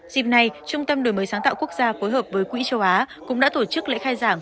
dịp này trung tâm đổi mới sáng tạo quốc gia phối hợp với quỹ châu á cũng đã tổ chức lễ khai giảng